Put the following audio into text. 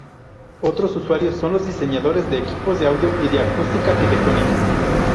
Otros usuarios son los diseñadores de equipos de audio y de acústica arquitectónica.